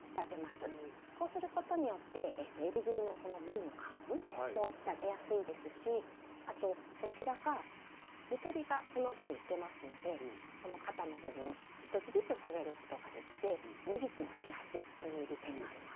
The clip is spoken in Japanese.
こうすることによってえりぐりのこのＶのカーブも仕立てやすいですしあとこちらがゆとりがこの分出ますので肩の部分１つずつ下げることができて脱ぎ着もしやすいという利点があります。